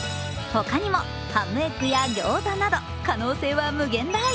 他にもハムエッグやギョーザなど可能性は無限大。